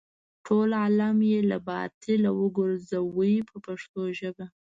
ټول عالم یې له باطله وګرځاوه په پښتو ژبه.